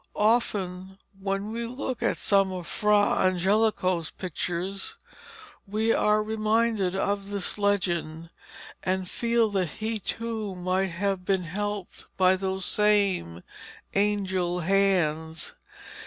Often when we look at some of Fra Angelico's pictures we are reminded of this legend, and feel that he too might have been helped by those same angel hands.